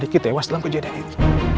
sedikit tewas dalam kejadian itu